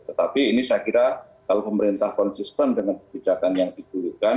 tetapi ini saya kira kalau pemerintah konsisten dengan kebijakan yang diperlukan